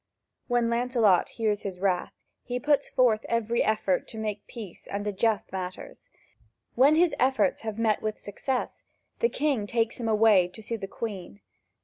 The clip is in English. When Lancelot hears his wrath, he puts forth every effort to make peace and adjust matters; when his efforts have met with success, the king takes him away to see the Queen.